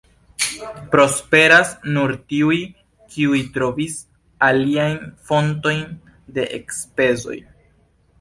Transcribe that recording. Prosperas nur tiuj, kiuj trovis aliajn fontojn de enspezoj.